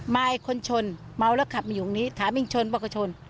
คนชนเมาแล้วขับมาอยู่ตรงนี้ถามเองชนปะก็ชน